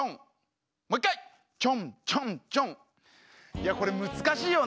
いやこれむずかしいよね。